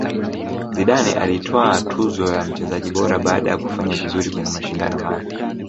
zidane alitwaa tuzo ya mchezaji bora baada ya kufanya vizuri kwenye mashindano hayo